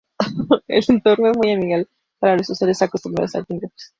El entorno es muy amigable para los usuarios acostumbrados a Windows.